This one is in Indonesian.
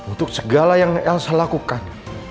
untuk segala yang elsa lakukan